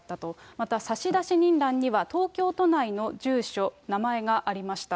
また差出人欄には東京都内の住所、名前がありました。